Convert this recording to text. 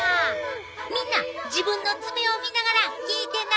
みんな自分の爪を見ながら聞いてな。